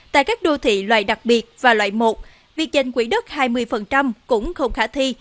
tại các đô thị loại đặc biệt và loại một việc giành quỹ đất hai mươi cũng không khả thi